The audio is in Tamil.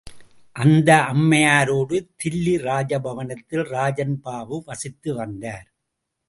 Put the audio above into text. அந்த அம்மையாரோடு தில்லி ராஜபவனத்தில் ராஜன்பாபு வசித்து வந்தார்.